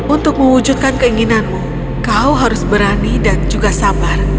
untuk mewujudkan keinginanmu kau harus berani dan juga sabar